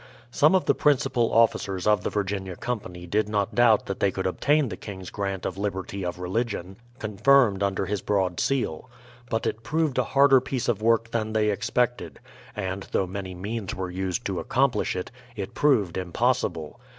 Some of the principal officers of the Virginia Company did not doubt that they could obtain the King's grant of liberty of religion, confirmed under his broad seal. But it proved a harder piece of work than they expected ; and, though many means were used to accomplish it, it proved impossible.